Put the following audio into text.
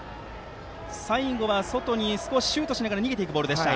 最後は外に少しシュートしながら逃げていくボールでした。